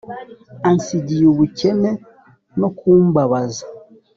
Ansigiye ubukene no kumbabaza